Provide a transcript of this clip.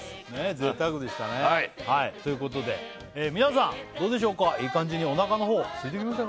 贅沢でしたねということで皆さんどうでしょうかいい感じにおなかのほうすいてきましたか？